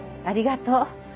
ありがとう。